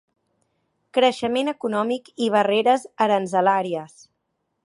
Creixement econòmic i barreres aranzelàries.